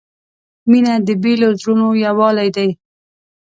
• مینه د بېلو زړونو یووالی دی.